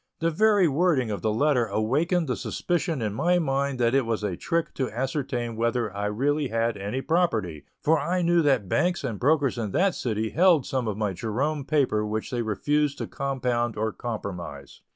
The very wording of the letter awakened the suspicion in my mind that it was a trick to ascertain whether I really had any property, for I knew that banks and brokers in that city held some of my Jerome paper which they refused to compound or compromise.